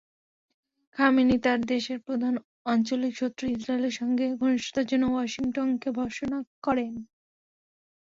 Khamenei তাঁর দেশের প্রধান আঞ্চলিক শত্রু ইসরায়েলের সঙ্গে ঘনিষ্ঠতার জন্য ওয়াশিংটনকে ভর্ৎসনা করেন।